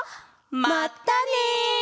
まったね！